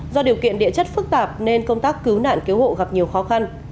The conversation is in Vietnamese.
do điều kiện địa chất phức tạp nên công tác cứu nạn cứu hộ gặp nhiều khó khăn